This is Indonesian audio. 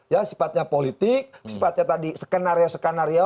ya sifatnya politik sifatnya tadi skenario skenario